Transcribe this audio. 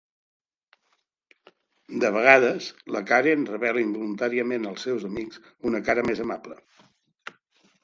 De vegades, la Karen revela involuntàriament als seus amics una cara més amable.